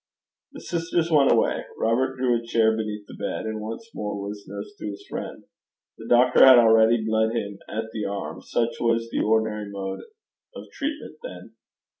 The sisters went away. Robert drew a chair beside the bed, and once more was nurse to his friend. The doctor had already bled him at the arm: such was the ordinary mode of treatment then.